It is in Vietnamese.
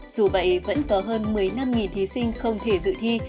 dù vậy vẫn có hơn một mươi năm thí sinh không thể dự thi